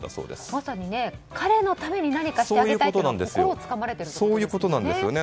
まさに、彼のために何かしてあげたいって心をつかまれてるわけですよね。